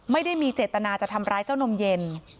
ไม่ได้มีเจตนาจะทำร้ายเจ้านมเย็น